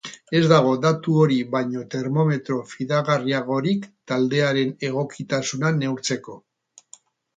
Ez dago datu hori baino termometro fidagarriagorik taldearen egokitasuna neurtzeko.